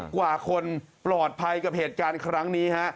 กว่าคนปลอดภัยกับเหตุการณ์ครั้งนี้ฮะ